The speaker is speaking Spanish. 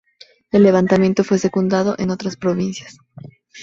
El levantamiento fue secundado en otras provincias.